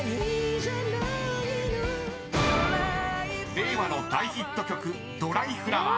［令和の大ヒット曲『ドライフラワー』］